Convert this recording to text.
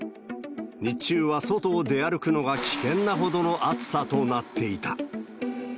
日中は外を出歩くのが危険なほどの暑さとなっていた。